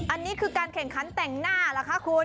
อันนี้คือการแข่งขันแต่งหน้าเหรอคะคุณ